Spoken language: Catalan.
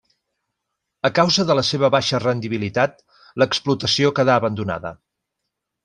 A causa de la seva baixa rendibilitat, l'explotació quedà abandonada.